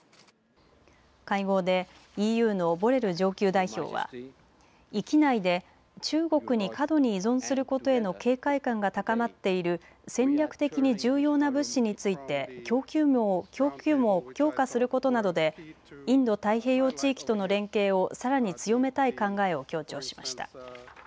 会合でＥＵのボレル上級代表は域内で中国に過度に依存することへの警戒感が高まっている戦略的に重要な物資について供給網を強化することなどでインド太平洋地域との連携をさらに強めたい考えを強調しました。